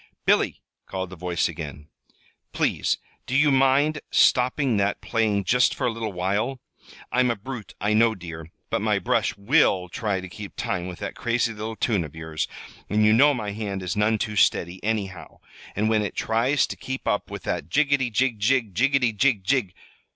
"Billy!" called the voice again. "Please, do you mind stopping that playing just for a little while? I'm a brute, I know, dear, but my brush will try to keep time with that crazy little tune of yours, and you know my hand is none too steady, anyhow, and when it tries to keep up with that jiggety, jig, jig, jiggety, jig, jig